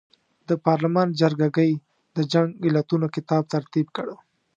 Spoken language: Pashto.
د پارلمان جرګه ګۍ د جنګ علتونو کتاب ترتیب کړ.